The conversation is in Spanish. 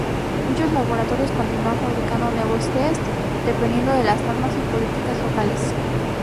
Muchos laboratorios continúan fabricando nuevos test, dependiendo de las normas y políticas locales.